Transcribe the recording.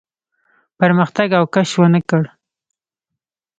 پرمختګ او کش ونه کړ.